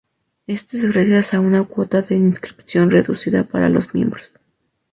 Esto es gracias a una cuota de inscripción reducida para los miembros.